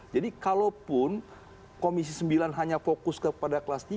jadi kalaupun komisi sembilan hanya fokus kepada kelas tiga